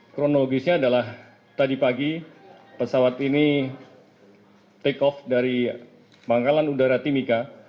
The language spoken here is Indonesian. kronologisnya adalah tadi pagi pesawat ini take off dari pangkalan udara timika